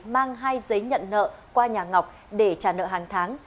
mang hai giấy nhận nợ qua nhà ngọc để trả nợ hàng tháng